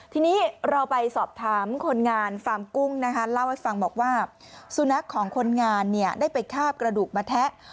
ทีนี้เราไปสอบถามคนงานฟาร์มกุ้งนะคะเล่าให้ฟังบอกว่าสุนัขของคนงานเนี่ยได้ไปคาบกระดูกมะแทะ